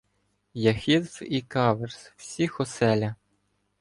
Яхидств і каверз всіх оселя!